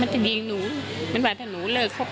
ไม่ตั้งใจครับ